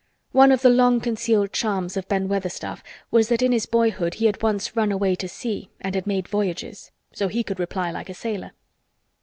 (One of the long concealed charms of Ben Weatherstaff was that in his boyhood he had once run away to sea and had made voyages. So he could reply like a sailor.)